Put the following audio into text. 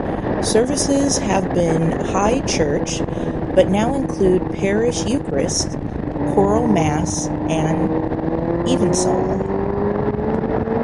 Services have been high church but now include Parish Eucharist, choral Mass and Evensong.